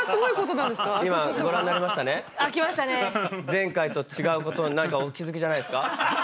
前回と違うこと何かお気付きじゃないですか？